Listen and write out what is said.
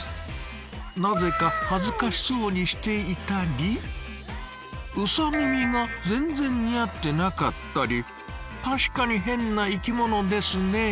なぜか恥ずかしそうにしていたりうさ耳が全然似合ってなかったり確かにヘンな生きものですね。